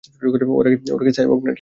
ওরা কি সাইবর্গ নাকি?